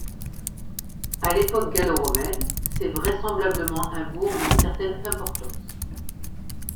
À l'époque gallo romaine, c’est vraisemblablement un bourg d’une certaine importance.